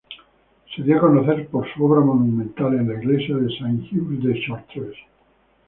Se dio a conocer por su obra monumental en la iglesia de Saint-Hugues-de-Chartreuse.